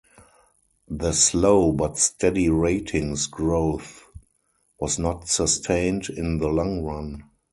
The slow but steady ratings growth was not sustained in the long run.